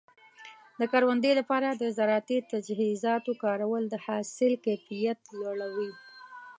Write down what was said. د کروندې لپاره د زراعتي تجهیزاتو کارول د حاصل کیفیت لوړوي.